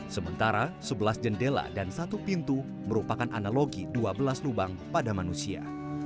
sementara sebelas jendela dan satu pintu merupakan analogi dua belas lubang pada manusia